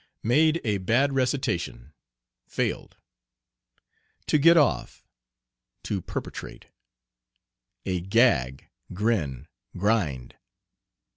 Made a bad recitation, failed. "To get off." To perpetrate. "A gag," "Grin," "Grind."